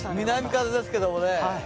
南風ですけどもね。